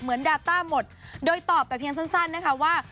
เหมือนดาต้าหมดโดยตอบไปเพียงสั้นนะคะว่า